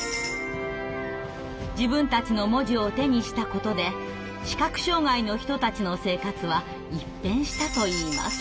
自分たちの文字を手にしたことで視覚障害の人たちの生活は一変したといいます。